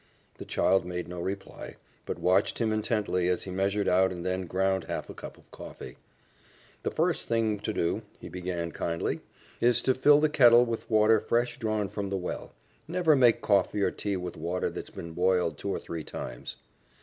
The child made no reply, but watched him intently as he measured out and then ground half a cup of coffee. "The firs thing to do," he began kindly, "is to fill the kettle with water fresh drawn from the well. Never make coffee or tea with water that's been boiled two or three times.